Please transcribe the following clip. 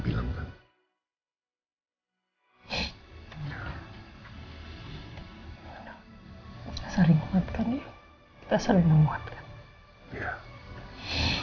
saling menguatkan ya kita saling menguatkan